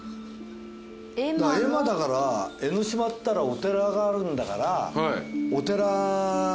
エマだから江の島っつったらお寺があるんだから。